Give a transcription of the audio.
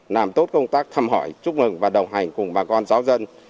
làm tốt công tác thăm hỏi chúc mừng và đồng hành cùng bà con giáo dân